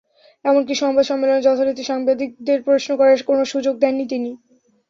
এমনকি সংবাদ সম্মেলনে যথারীতি সাংবাদিকদের প্রশ্ন করার কোনো সুযোগ দেননি তিনি।